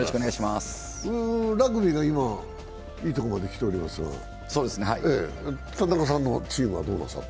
ラグビーは今、いいところまで来ていますが、田中さんのチームはどうなさる？